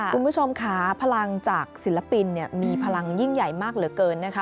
คุณผู้ชมค่ะพลังจากศิลปินมีพลังยิ่งใหญ่มากเหลือเกินนะคะ